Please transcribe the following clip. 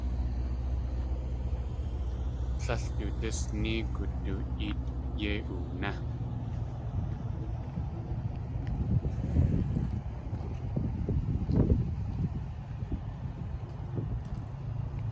Tlél du dís néegu du éet yéi wuné.